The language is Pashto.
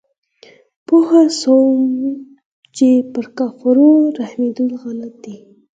پوه سوم چې پر کفارو رحمېدل غلط دي.